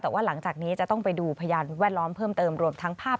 แต่ว่าหลังจากนี้จะต้องไปดูพยานแวดล้อมเพิ่มเติมรวมทั้งภาพ